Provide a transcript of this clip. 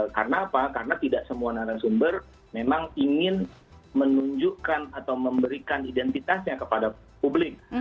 karena apa karena tidak semua narasumber memang ingin menunjukkan atau memberikan identitasnya kepada publik